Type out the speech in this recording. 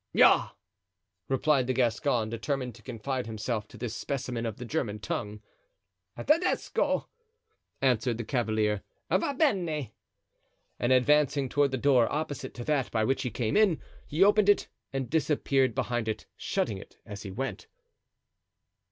"Ja!" replied the Gascon, determined to confine himself to this specimen of the German tongue. "Tedesco!" answered the cavalier; "va bene." And advancing toward the door opposite to that by which he came in, he opened it and disappeared behind it, shutting it as he went.